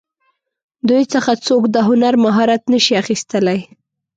دوی څخه څوک د هنر مهارت نشي اخیستلی.